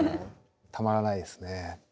たまらないですね。